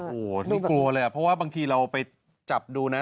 โอ้โหน่ากลัวเลยอ่ะเพราะว่าบางทีเราไปจับดูนะ